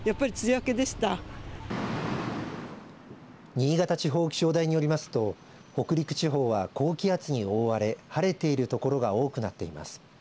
新潟地方気象台によりますと北陸地方は高気圧に覆われ晴れているところが多くなっています。